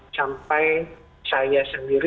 sampai saya sendiri